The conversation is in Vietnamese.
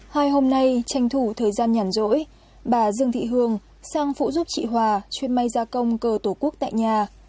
hai hôm nay tranh thủ thời gian nhàn rỗi bà dương thị hương sang phụ giúp chị hòa chuyên may gia công cờ tổ quốc tại nhà